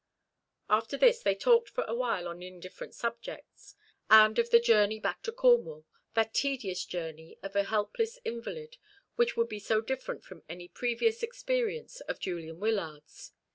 After this they talked for a little while on indifferent subjects, and of the journey back to Cornwall that tedious journey of a helpless invalid which would be so different from any previous experience of Julian Wyllard's.